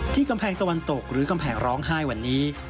กำแพงตะวันตกหรือกำแพงร้องไห้วันนี้